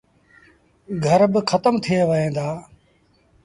گھر با کتم ٿئي وهيݩ دآ۔